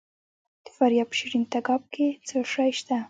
د فاریاب په شیرین تګاب کې څه شی شته؟